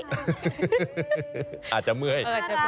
อาจจะเมื่อย